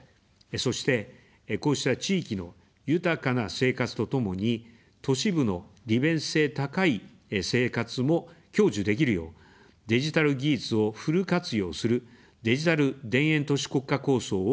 そして、こうした地域の豊かな生活とともに、都市部の利便性高い生活も享受できるよう、デジタル技術をフル活用する「デジタル田園都市国家構想」を進めます。